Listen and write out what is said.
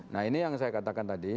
nah ini yang saya katakan tadi